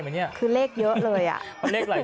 มี๒ใบ